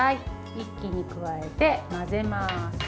一気に加えて混ぜます。